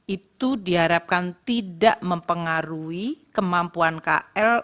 itu diharapkan tidak mempengaruhi kemampuan kl